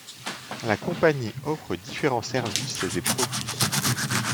La compagnie offre différents services et produits.